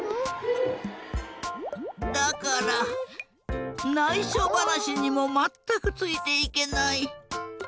だからないしょばなしにもまったくついていけない。